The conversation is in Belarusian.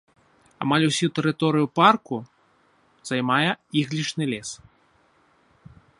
Амаль усю тэрыторыю парку займае іглічны лес.